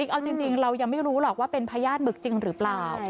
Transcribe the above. เอาจริงเรายังไม่รู้หรอกว่าเป็นพญาติหมึกจริงหรือเปล่า